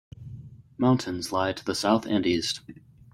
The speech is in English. Mountains lie to the south and east.